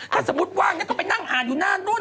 ถ้าสมมุติว่างก็ไปนั่งอ่านอยู่หน้านู้น